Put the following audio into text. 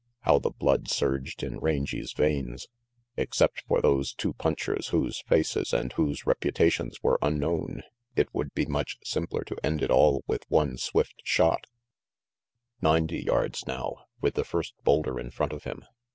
How the blood surged in Rangy 's veins. Except for those two punchers, whose faces and whose reputations were unknown, it would be much simpler to end it all with one swift shot. RANGY PETE 335 Ninety yards now, with the first boulder in front of him.